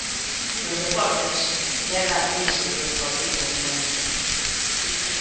Nos deportes, medra a crise do Deportivo, Miguel.